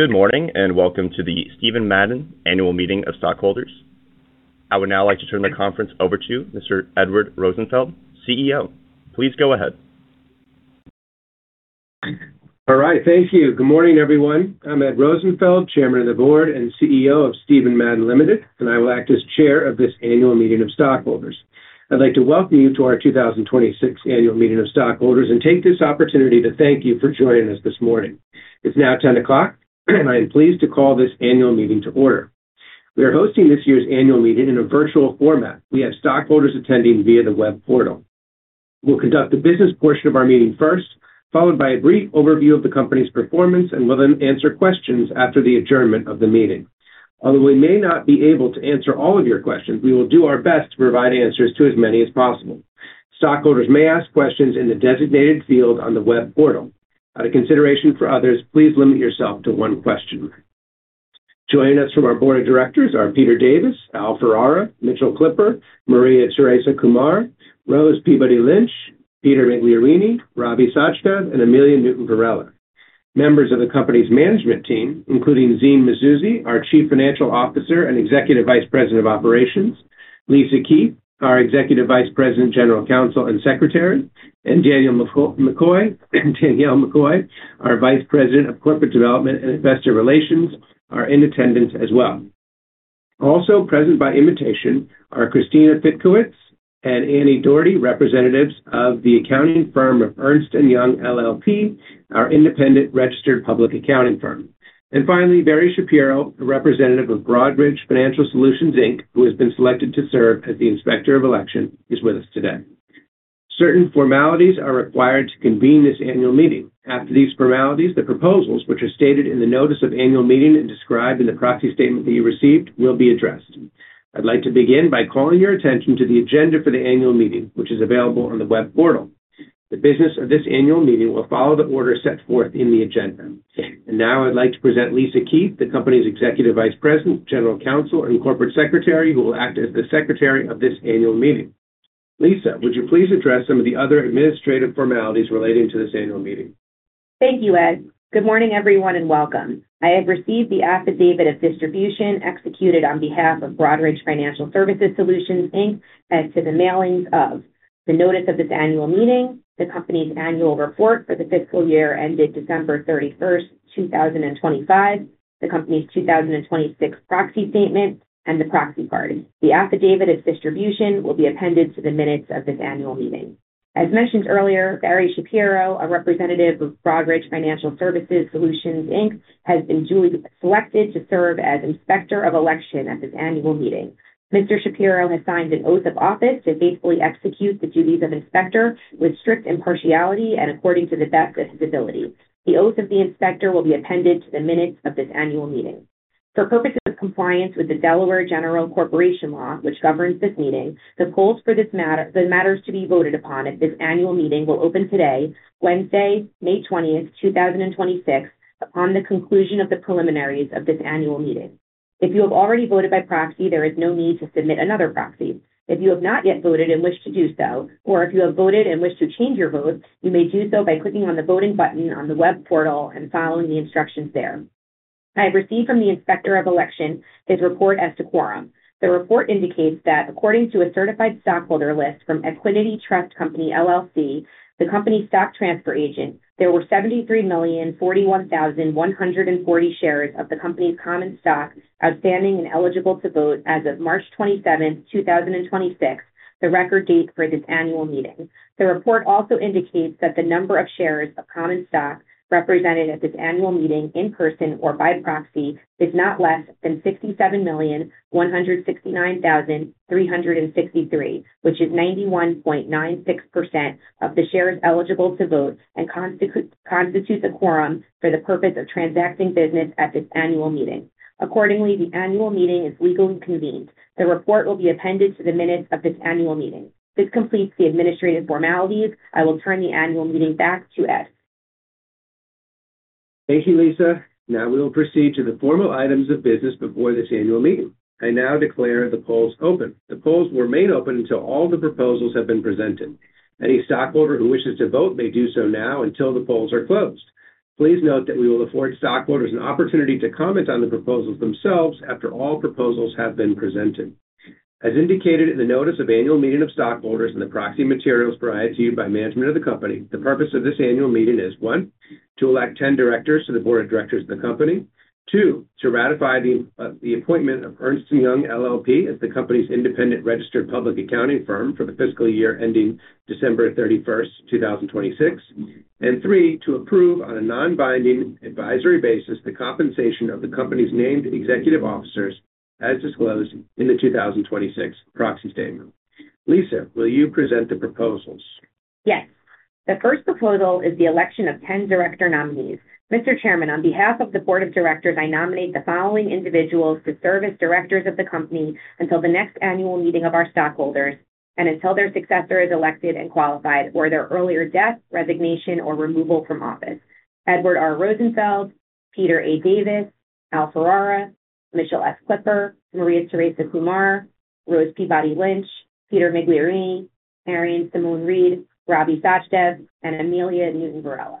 Good morning. Welcome to the Steven Madden Annual Meeting of Stockholders. I would now like to turn the conference over to Mr. Edward Rosenfeld, CEO. Please go ahead. All right. Thank you. Good morning, everyone. I'm Edward Rosenfeld, Chairman of the Board and CEO of Steven Madden, Ltd., and I will act as chair of this annual meeting of stockholders. I'd like to welcome you to our 2026 Annual Meeting of Stockholders and take this opportunity to thank you for joining us this morning. It's now 10:00 A.M., and I am pleased to call this annual meeting to order. We are hosting this year's annual meeting in a virtual format. We have stockholders attending via the web portal. We'll conduct the business portion of our meeting first, followed by a brief overview of the company's performance, and we'll then answer questions after the adjournment of the meeting. Although we may not be able to answer all of your questions, we will do our best to provide answers to as many as possible. Stockholders may ask questions in the designated field on the web portal. Out of consideration for others, please limit yourself to one question. Joining us from our board of directors are Peter Davis, Al Ferrara, Mitchell Klipper, María Teresa Kumar, Rose Peabody Lynch, Peter Migliorini, Ravi Sachdev, and Amelia Newton Varela. Members of the company's management team, including Zine Mazouzi, our Chief Financial Officer and Executive Vice President of Operations, Lisa Keith, our Executive Vice President, General Counsel, and Secretary, and Danielle McCoy, our Vice President of Corporate Development and Investor Relations, are in attendance as well. Also present by invitation are Christina Fitkowitz and Annie Dougherty, representatives of the accounting firm of Ernst & Young LLP, our independent registered public accounting firm. Finally, Barry Shapiro, a representative of Broadridge Financial Solutions, Inc., who has been selected to serve as the Inspector of Election, is with us today. Certain formalities are required to convene this annual meeting. After these formalities, the proposals, which are stated in the notice of annual meeting and described in the proxy statement that you received, will be addressed. I'd like to begin by calling your attention to the agenda for the annual meeting, which is available on the web portal. The business of this annual meeting will follow the order set forth in the agenda. Now I'd like to present Lisa Keith, the company's Executive Vice President, General Counsel, and Corporate Secretary, who will act as the Secretary of this annual meeting. Lisa, would you please address some of the other administrative formalities relating to this annual meeting? Thank you, Ed. Good morning, everyone, and welcome. I have received the affidavit of distribution executed on behalf of Broadridge Financial Solutions, Inc. as to the mailings of the notice of this annual meeting, the company's annual report for the fiscal year ended December 31st, 2025, the company's 2026 proxy statement, and the proxy party. The affidavit of distribution will be appended to the minutes of this annual meeting. As mentioned earlier, Barry Shapiro, a representative of Broadridge Financial Solutions, Inc., has been duly selected to serve as Inspector of Election at this annual meeting. Mr. Shapiro has signed an oath of office to faithfully execute the duties of inspector with strict impartiality and according to the best of his ability. The oath of the inspector will be appended to the minutes of this annual meeting. For purposes of compliance with the Delaware General Corporation Law, which governs this meeting, the polls for the matters to be voted upon at this annual meeting will open today, Wednesday, May 20th, 2026, upon the conclusion of the preliminaries of this annual meeting. If you have already voted by proxy, there is no need to submit another proxy. If you have not yet voted and wish to do so, or if you have voted and wish to change your vote, you may do so by clicking on the voting button on the web portal and following the instructions there. I have received from the Inspector of Election his report as to quorum. The report indicates that according to a certified stockholder list from Equiniti Trust Company, LLC, the company stock transfer agent, there were 73,041,140 shares of the company's common stock outstanding and eligible to vote as of March 27th, 2026, the record date for this annual meeting. The report also indicates that the number of shares of common stock represented at this annual meeting in person or by proxy is not less than 67,169,363, which is 91.96% of the shares eligible to vote and constitutes a quorum for the purpose of transacting business at this annual meeting. Accordingly, the annual meeting is legally convened. The report will be appended to the minutes of this annual meeting. This completes the administrative formalities. I will turn the annual meeting back to Ed. Thank you, Lisa. We will proceed to the formal items of business before this annual meeting. I now declare the polls open. The polls will remain open until all the proposals have been presented. Any stockholder who wishes to vote may do so now until the polls are closed. Please note that we will afford stockholders an opportunity to comment on the proposals themselves after all proposals have been presented. As indicated in the notice of annual meeting of stockholders and the proxy materials provided to you by management of the company, the purpose of this annual meeting is, one, to elect 10 Directors to the Board of Directors of the company. Two, to ratify the appointment of Ernst & Young LLP as the company's independent registered public accounting firm for the fiscal year ending December 31st, 2026, and three, to approve on a non-binding advisory basis the compensation of the company's named executive officers as disclosed in the 2026 proxy statement. Lisa, will you present the proposals? Yes. The first proposal is the election of 10 Director nominees. Mr. Chairman, on behalf of the Board of Directors, I nominate the following individuals to serve as directors of the company until the next annual meeting of our stockholders and until their successor is elected and qualified or their earlier death, resignation, or removal from office. Edward R. Rosenfeld, Peter A. Davis, Al Ferrara Mitchell S. Klipper, María Teresa Kumar, Rose Peabody Lynch, Peter Migliorini, Arian Simone Reed, Ravi Sachdev, and Amelia Newton Varela.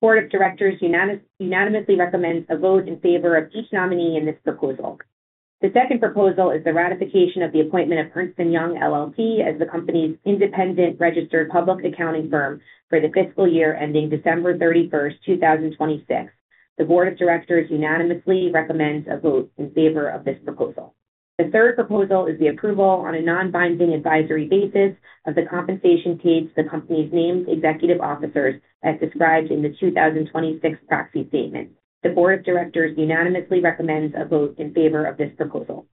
Board of Directors unanimously recommends a vote in favor of each nominee in this proposal. The second proposal is the ratification of the appointment of Ernst & Young LLP as the company's independent registered public accounting firm for the fiscal year ending December 31st, 2026. The Board of Directors unanimously recommends a vote in favor of this proposal. The third proposal is the approval on a non-binding advisory basis of the compensation paid to the company's named executive officers as described in the 2026 proxy statement. The Board of Directors unanimously recommends a vote in favor of this proposal.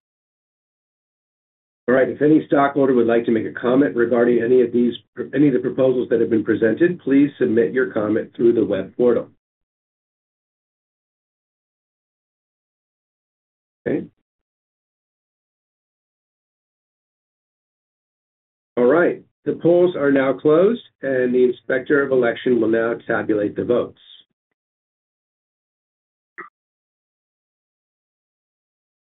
All right. If any stockholder would like to make a comment regarding any of the proposals that have been presented, please submit your comment through the web portal. Okay. All right. The polls are now closed, and the inspector of election will now tabulate the votes.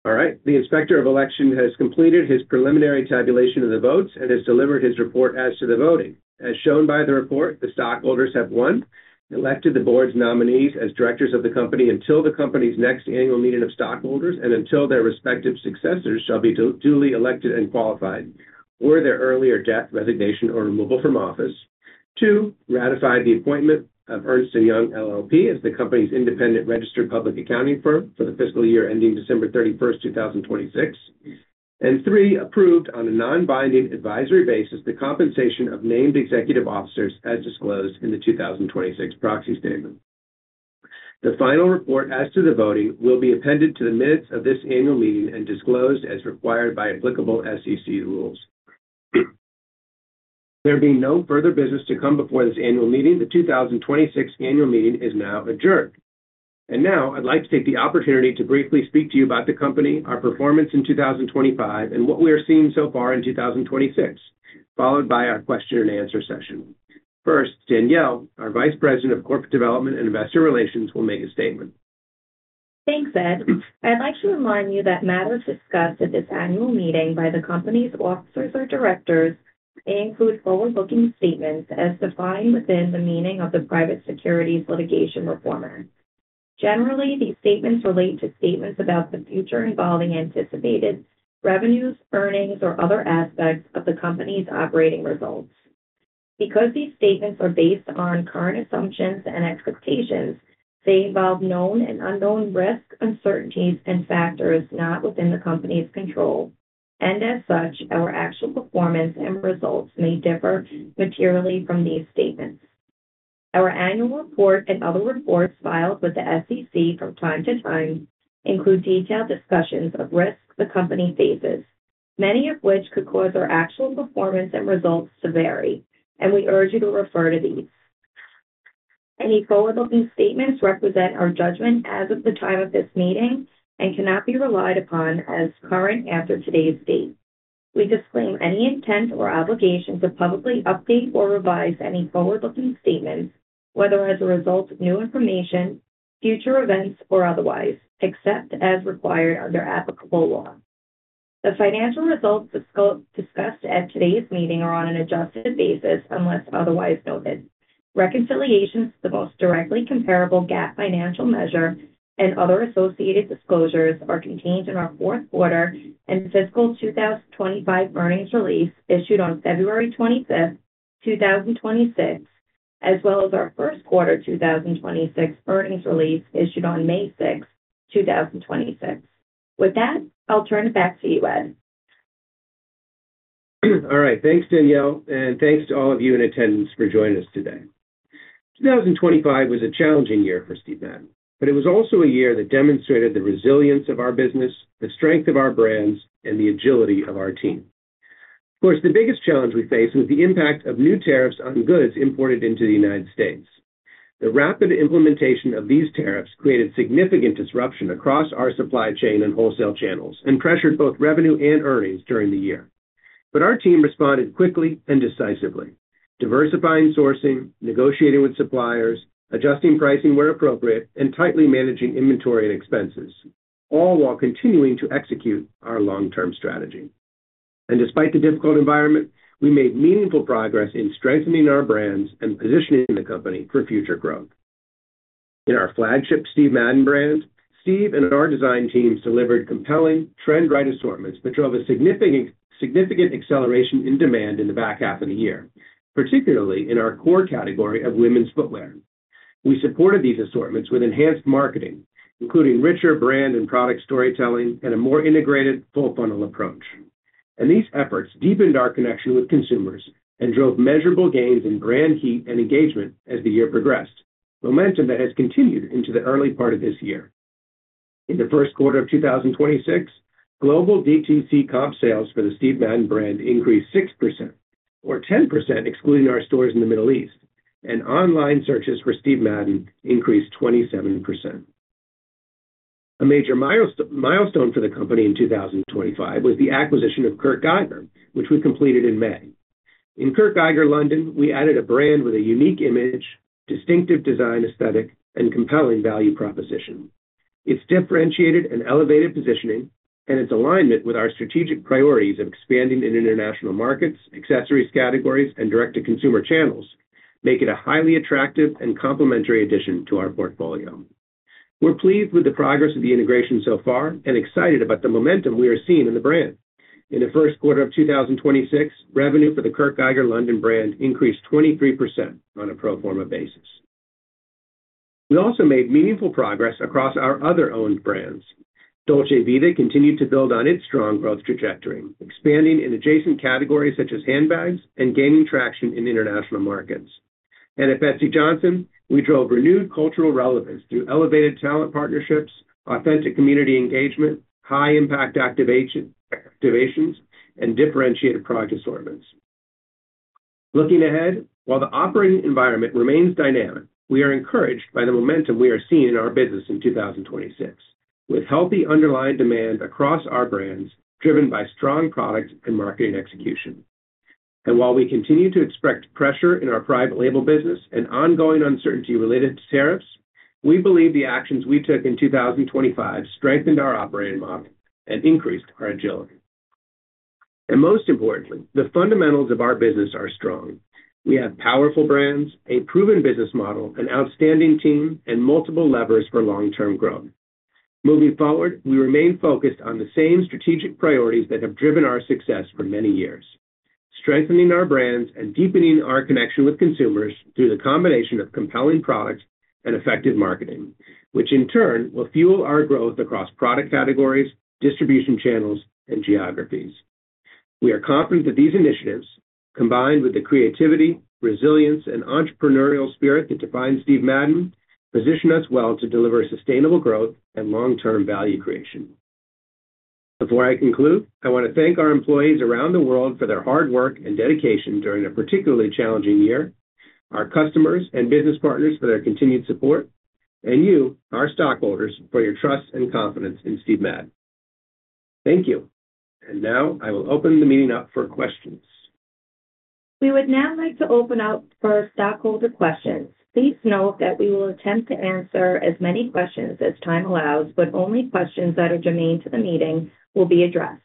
All right. The inspector of election has completed his preliminary tabulation of the votes and has delivered his report as to the voting. As shown by the report, the stockholders have, one, elected the board's nominees as directors of the company until the company's next annual meeting of stockholders and until their respective successors shall be duly elected and qualified, or their earlier death, resignation, or removal from office. Two, ratified the appointment of Ernst & Young LLP as the company's independent registered public accounting firm for the fiscal year ending December 31st, 2026. Three, approved on a non-binding advisory basis the compensation of named executive officers as disclosed in the 2026 proxy statement. The final report as to the voting will be appended to the minutes of this annual meeting and disclosed as required by applicable SEC rules. There being no further business to come before this annual meeting, the 2026 annual meeting is now adjourned. Now I'd like to take the opportunity to briefly speak to you about the company, our performance in 2025, and what we are seeing so far in 2026, followed by our question and answer session. First, Danielle, our Vice President of Corporate Development and Investor Relations, will make a statement. Thanks, Ed. I'd like to remind you that matters discussed at this annual meeting by the company's officers or directors may include forward-looking statements as defined within the meaning of the Private Securities Litigation Reform Act of 1995. Generally, these statements relate to statements about the future involving anticipated revenues, earnings, or other aspects of the company's operating results. Because these statements are based on current assumptions and expectations, they involve known and unknown risks, uncertainties, and factors not within the company's control. As such, our actual performance and results may differ materially from these statements. Our annual report and other reports filed with the SEC from time to time include detailed discussions of risks the company faces, many of which could cause our actual performance and results to vary, and we urge you to refer to these. Any forward-looking statements represent our judgment as of the time of this meeting and cannot be relied upon as current after today's date. We disclaim any intent or obligation to publicly update or revise any forward-looking statements, whether as a result of new information, future events, or otherwise, except as required under applicable law. The financial results discussed at today's meeting are on an adjusted basis, unless otherwise noted. Reconciliations to the most directly comparable GAAP financial measure and other associated disclosures are contained in our fourth quarter and fiscal 2025 earnings release issued on February 25th, 2026, as well as our first quarter 2026 earnings release issued on May 6th, 2026. With that, I'll turn it back to you, Ed. All right. Thanks, Danielle, and thanks to all of you in attendance for joining us today. 2025 was a challenging year for Steven Madden. It was also a year that demonstrated the resilience of our business, the strength of our brands, and the agility of our team. Of course, the biggest challenge we faced was the impact of new tariffs on goods imported into the United States. The rapid implementation of these tariffs created significant disruption across our supply chain and wholesale channels and pressured both revenue and earnings during the year. Our team responded quickly and decisively, diversifying sourcing, negotiating with suppliers, adjusting pricing where appropriate, and tightly managing inventory and expenses, all while continuing to execute our long-term strategy. Despite the difficult environment, we made meaningful progress in strengthening our brands and positioning the company for future growth. In our flagship Steven Madden brand, Steve and our design teams delivered compelling trend-right assortments, which drove a significant acceleration in demand in the back half of the year, particularly in our core category of women's footwear. We supported these assortments with enhanced marketing, including richer brand and product storytelling and a more integrated full-funnel approach. These efforts deepened our connection with consumers and drove measurable gains in brand heat and engagement as the year progressed, momentum that has continued into the early part of this year. In the first quarter of 2026, global DTC comp sales for the Steven Madden brand increased 6%, or 10% excluding our stores in the Middle East, and online searches for Steven Madden increased 27%. A major milestone for the company in 2025 was the acquisition of Kurt Geiger, which we completed in May. In Kurt Geiger London, we added a brand with a unique image, distinctive design aesthetic, and compelling value proposition. Its differentiated and elevated positioning and its alignment with our strategic priorities of expanding in international markets, accessories categories, and direct-to-consumer channels make it a highly attractive and complementary addition to our portfolio. We're pleased with the progress of the integration so far and excited about the momentum we are seeing in the brand. In the first quarter of 2026, revenue for the Kurt Geiger London brand increased 23% on a pro forma basis. We also made meaningful progress across our other owned brands. Dolce Vita continued to build on its strong growth trajectory, expanding in adjacent categories such as handbags and gaining traction in international markets. At Betsey Johnson, we drove renewed cultural relevance through elevated talent partnerships, authentic community engagement, high-impact activations, and differentiated product assortments. Looking ahead, while the operating environment remains dynamic, we are encouraged by the momentum we are seeing in our business in 2026, with healthy underlying demand across our brands, driven by strong products and marketing execution. While we continue to expect pressure in our private label business and ongoing uncertainty related to tariffs, we believe the actions we took in 2025 strengthened our operating model and increased our agility. Most importantly, the fundamentals of our business are strong. We have powerful brands, a proven business model, an outstanding team, and multiple levers for long-term growth. Moving forward, we remain focused on the same strategic priorities that have driven our success for many years, strengthening our brands and deepening our connection with consumers through the combination of compelling products and effective marketing, which in turn will fuel our growth across product categories, distribution channels, and geographies. We are confident that these initiatives, combined with the creativity, resilience, and entrepreneurial spirit that define Steven Madden, position us well to deliver sustainable growth and long-term value creation. Before I conclude, I want to thank our employees around the world for their hard work and dedication during a particularly challenging year, our customers and business partners for their continued support, and you, our stockholders, for your trust and confidence in Steven Madden. Thank you. Now I will open the meeting up for questions. We would now like to open up for stockholder questions. Please note that we will attempt to answer as many questions as time allows, but only questions that are germane to the meeting will be addressed.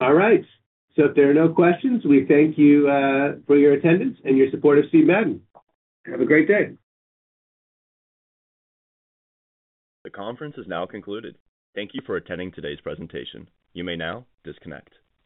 All right. If there are no questions, we thank you for your attendance and your support of Steven Madden. Have a great day. The conference is now concluded. Thank you for attending today's presentation. You may now disconnect.